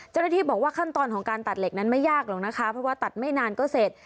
เจ้าหน้าที่บอกว่าขั้นตอนของการตัดเหล็กนั้นไม่ยากหรอกนะคะเพราะว่าตัดไม่นานก็เสร็จ